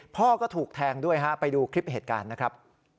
พ่อก็ถูกแทงด้วยฮะไปดูคลิปเหตุการณ์นะครับ